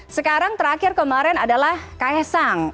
sekarang terakhir kemarin adalah ks sang